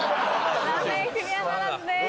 残念クリアならずです。